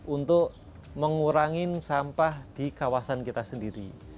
untuk mengurangi sampah di kawasan kita sendiri